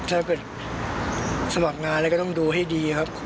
ถ้าเกิดสมัครงานแล้วก็ต้องดูให้ดีครับ